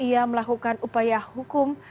ia melakukan upaya hukum